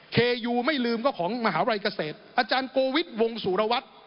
เคยูไม่ลืมก็ของมหาวิทยาลัยเกษตรอาจารย์โกวิทย์วงสุรวัตร